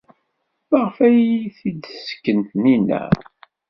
Maɣef ay iyi-t-id-tessken Taninna?